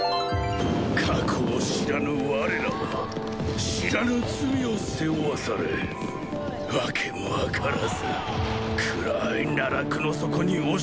過去を知らぬ我らは知らぬ罪を背負わされ訳もわからず暗い奈落の底に押し込められた。